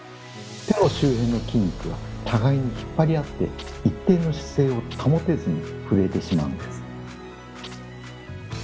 手の周辺の筋肉が互いに引っ張り合って一定の姿勢を保てずに震えてしまうんです。